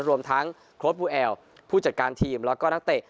รวมทั้งโค้ดบูแอลผู้จัดการทีมแล้วก็นักเตะ